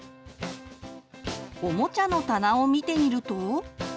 おもちゃの棚を見てみると。